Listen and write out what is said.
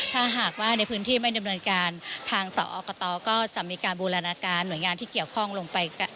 ถ้าหากว่าในพื้นที่ไม่ดำเนินการทางสอกตก็จะมีการบูรณาการหน่วยงานที่เกี่ยวข้องลงไป